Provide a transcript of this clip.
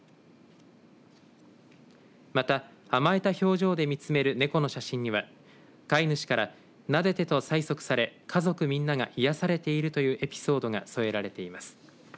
また、甘えた表情で見つめる猫の写真には飼い主からなでてと催促され家族みんなが癒やされているというエピソードが添えられています。